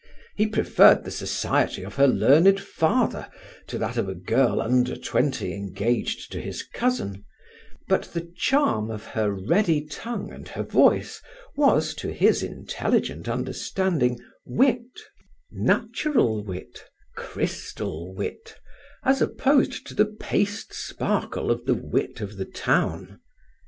He preferred the society of her learned father to that of a girl under twenty engaged to his cousin, but the charm of her ready tongue and her voice was to his intelligent understanding wit, natural wit, crystal wit, as opposed to the paste sparkle of the wit of the town.